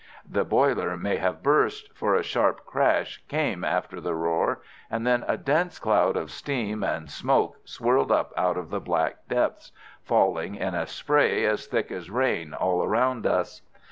The boiler may have burst, for a sharp crash came after the roar, and then a dense cloud of steam and smoke swirled up out of the black depths, falling in a spray as thick as rain all round us.